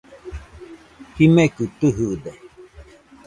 Jimekɨ tɨjɨde